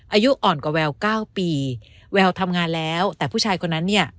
อายุอ่อนกว่าแววเก้าปีแววทำงานแล้วแต่ผู้ชายคนนั้นเนี่ย